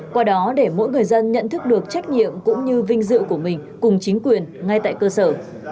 qua đó để mỗi người dân nhận thức được trách nhiệm cũng như vinh dự của mình cùng chính quyền ngay tại cơ sở